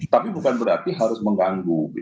tapi bukan berarti harus mengganggu